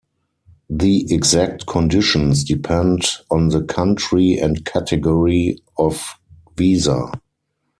The exact conditions depend on the country and category of visa.